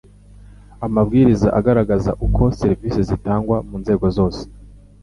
Amabwiriza agaragaza uko serivisi zitangwa mu nzego zose